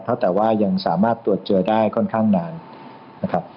เพราะแต่ว่ายังสามารถตรวจเจอได้ค่อนข้างนานนะครับ